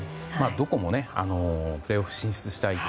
どこもプレーオフ進出したいと。